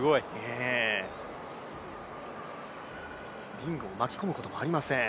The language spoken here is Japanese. リングを巻き込むことがありません。